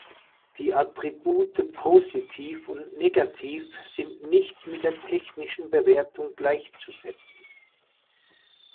Die Attribute "positiv" und "negativ" sind nicht mit der technischen Bewertung gleichzusetzen.